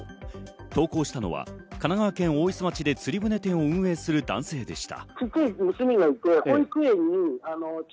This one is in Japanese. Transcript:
投稿したのは神奈川県大磯町で釣り船店を運営する男性でした。